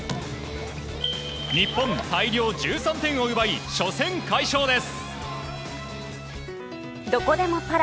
日本、大量１３点を奪い初戦快勝です。